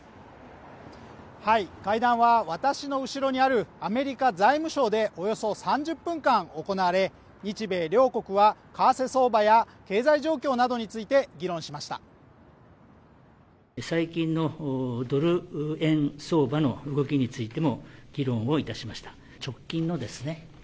会談は私の後ろにあるアメリカ財務省でおよそ３０分間行われ日米両国は為替相場や経済状況などについて議論しました最近のドル円相場の動きについても議論をいたしました直近のですね